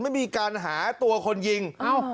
ไม่มีการหาตัวคนยิง